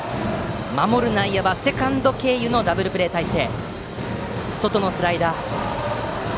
守る内野はセカンド経由のダブルプレー態勢。